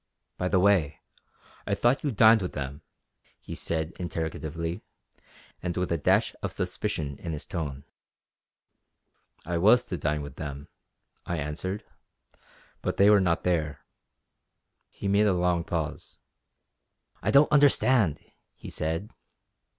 By the way, I thought you dined with them?" he said interrogatively, and with a dash of suspicion in his tone. "I was to dine with them;" I answered "but they were not there." He made a long pause. "I don't understand!" he said.